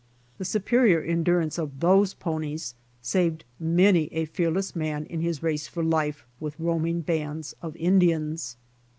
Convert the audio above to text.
The superior endurance of those ponies saved many a fearless man in his race for life with roaming bands of Indians.